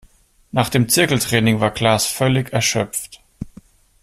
Nach dem Zirkeltraining war Klaas völlig erschöpft.